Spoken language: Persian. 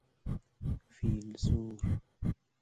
فیل زور